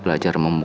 kenapa sih mama